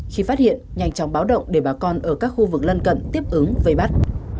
khi phát hiện nhanh chóng báo động để bà con ở các khu vực lân cận tiếp ứng vây bắt